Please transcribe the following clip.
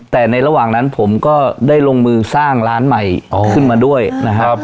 แต่ในระหว่างนั้นผมก็ได้ลงมือสร้างร้านใหม่ขึ้นมาด้วยนะครับ